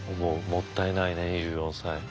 もったいないね２４歳。